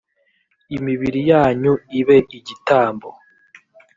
imibiri yanyu ibe igitambo